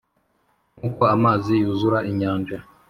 nk’uko amazi yuzura inyanja!